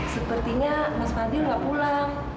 sepertinya mas padil gak pulang